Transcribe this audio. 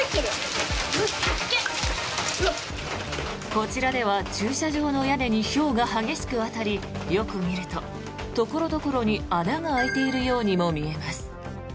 こちらでは駐車場の屋根にひょうが激しく当たりよく見ると所々に穴が開いているようにも見えます。